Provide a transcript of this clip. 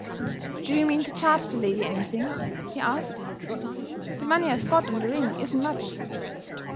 "Do you mean to charge the lady anything?" he asked. "The money I've got on the ring isn't much.